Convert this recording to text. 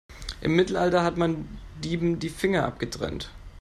Im Mittelalter hat man Dieben die Finger abgetrennt.